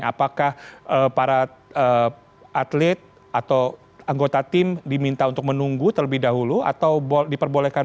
apakah para atlet atau anggota tim diminta untuk menunggu terlebih dahulu atau diperbolehkan